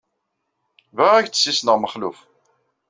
Bɣiɣ ad ak-d-ssissneɣ Mexluf.